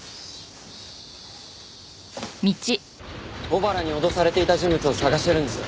尾原に脅されていた人物を捜してるんです。